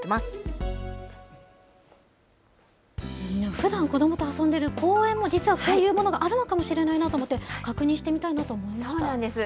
ふだん、子どもと遊んでる公園も、実はこういうものがあるのかもしれないなと思って、そうなんです。